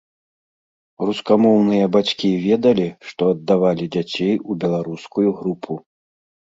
Рускамоўныя бацькі ведалі, што аддавалі дзяцей у беларускую групу.